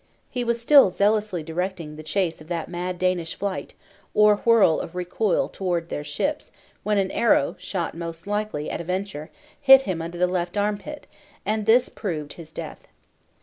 He was still zealously directing the chase of that mad Danish flight, or whirl of recoil towards their ships, when an arrow, shot Most likely at a venture, hit him under the left armpit; and this proved his death.